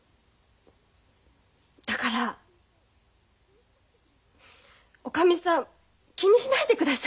だからおかみさん気にしないでください。